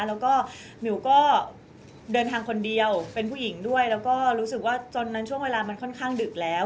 แล้วก็มิวก็เดินทางคนเดียวเป็นผู้หญิงด้วยแล้วก็รู้สึกว่าจนนั้นช่วงเวลามันค่อนข้างดึกแล้ว